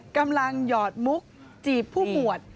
กำลังหยอดมุกจีบผู้หมวด